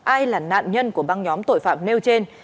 ai là nạn nhân của băng nhóm tội phạm nêu trên